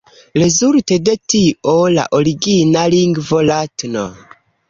Rezulte de tio, la origina lingvo, la tn.